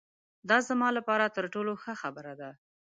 دا زما له پاره تر ټولو ښه خبره ده.